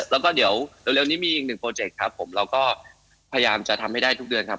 แล้วก็เดี๋ยวเร็วนี้มีอีกหนึ่งโปรเจคครับผมเราก็พยายามจะทำให้ได้ทุกเดือนครับ